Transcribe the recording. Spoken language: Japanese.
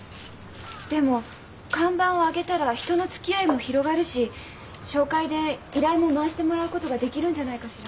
でも看板を揚げたら人のつきあいも広がるし紹介で依頼も回してもらうことができるんじゃないかしら？